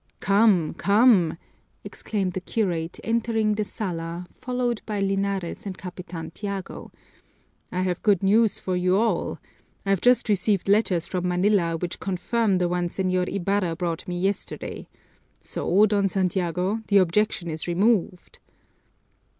"Come, come!" exclaimed the curate, entering the sala, followed by Linares and Capitan Tiago, "I have good news for you all. I've just received letters from Manila which confirm the one Señor Ibarra brought me yesterday. So, Don Santiago, the objection is removed."